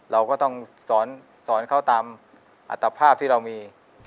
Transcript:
เราก็ต้องสอนเขาตามอัตภาพที่เรามี